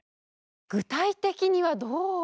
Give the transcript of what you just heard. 具体的にはどう？